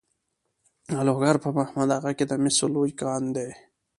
د لوګر په محمد اغه کې د مسو لوی کان دی.